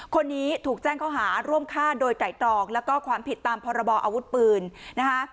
คนนี้ถูกแจ้งข้อหาร่วมฆ่าโดยไตรตรองแล้วก็ความผิดตามพรบออาวุธปืนนะคะ